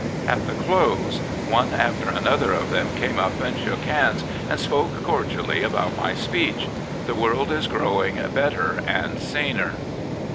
At the close one after another of them came up and shook hands and spoke cordially about my speech. The world is growing better and saner."